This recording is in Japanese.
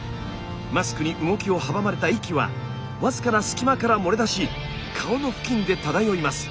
マスクに動きを阻まれた息は僅かな隙間から漏れ出し顔の付近で漂います。